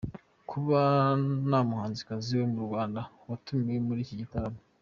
Kuba nta muhanzikazi wo mu Rwanda watumiwe muri iki gitaramo